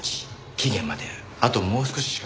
期限まであともう少ししかない。